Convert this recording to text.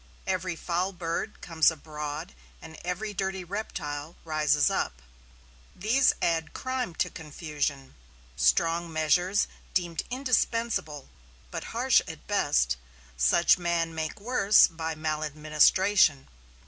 Every foul bird comes abroad and every dirty reptile rises up. These add crime to confusion. Strong measures deemed indispensable, but harsh at best, such men make worse by maladministration.